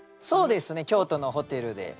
そうですね京都のホテルで。